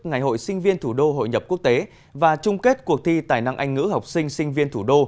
ngày hội sinh viên thủ đô hội nhập quốc tế và chung kết cuộc thi tài năng anh ngữ học sinh sinh viên thủ đô